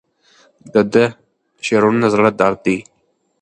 د ده شعرونه د زړه درد دی.